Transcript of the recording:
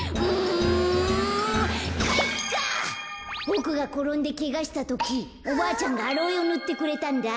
ボクがころんでけがしたときおばあちゃんがアロエをぬってくれたんだ。